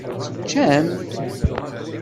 Teččam-t?